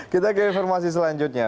kita ke informasi selanjutnya